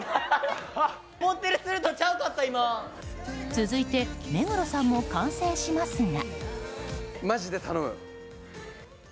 続いて目黒さんも完成しますが。